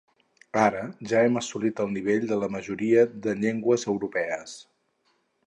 Ara ja hem assolit el nivell de la majoria de llengües europees.